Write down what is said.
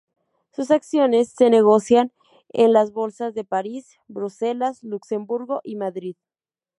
Sus acciones se negocian en las Bolsas de París, Bruselas, Luxemburgo y Madrid.